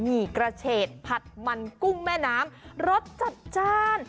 ี่กระเฉดผัดมันกุ้งแม่น้ำรสจัดจ้าน